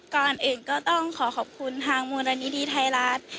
ก่อนอื่นก็ต้องขอขอบคุณทางมูลนิธิไทยรัฐ